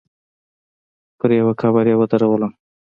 پر يوه قبر يې ودرولم.